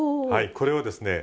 これはですね